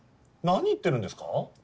何言ってるんですか？